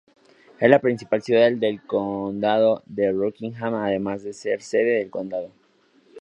Es la principal ciudad del condado de Rockingham, además de ser sede del condado.